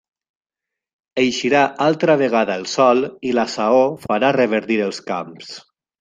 Eixirà altra vegada el sol i la saó farà reverdir els camps.